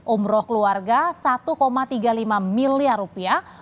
umroh keluarga satu tiga puluh lima miliar rupiah